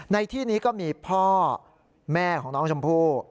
ในที่นี้ก็มีพ่อแม่ของน้องชมพู่